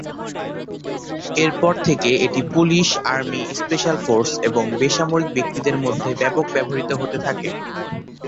এরপর থেকে এটি পুলিশ, আর্মি, স্পেশাল ফোর্স এবং বেসামরিক ব্যক্তিদের মধ্যে ব্যাপক ব্যবহৃত হতে থাকে।